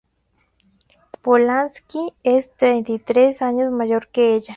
Polanski es treinta y tres años mayor que ella.